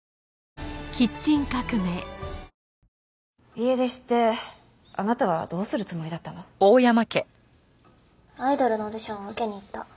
家出してあなたはどうするつもりだったの？アイドルのオーディションを受けに行った。